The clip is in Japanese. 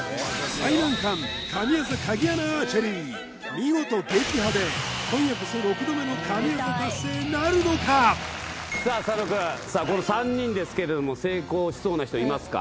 見事撃破で今夜こそさあ佐野くんこの３人ですけれども成功しそうな人いますか？